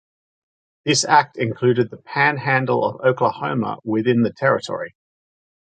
This act included the Panhandle of Oklahoma within the territory.